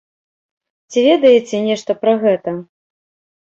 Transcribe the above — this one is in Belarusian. Ці ведаеце нешта пра гэта?